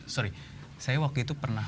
sorry saya waktu itu pernah